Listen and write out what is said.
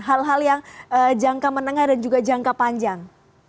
hal hal yang jangka menengah dan juga jangka panjang